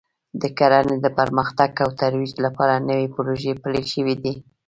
د کرنې د پرمختګ او ترویج لپاره نوې پروژې پلې شوې دي